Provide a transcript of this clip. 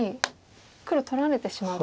黒取られてしまうと。